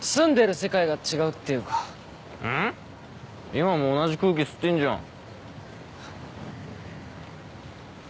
今も同じ空気吸ってんじゃん。